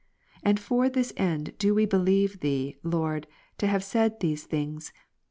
And for this end do we believe Thee, Lord, to have said to these kinds.